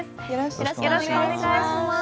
よろしくお願いします。